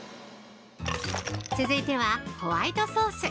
◆続いては、ホワイトソース。